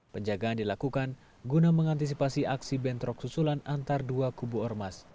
penjagaan dilakukan guna mengantisipasi aksi bentrok susulan antar dua kubu ormas